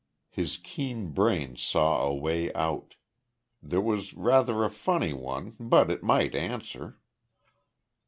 His keen brain saw a way out. It was rather a funny one, but it might answer.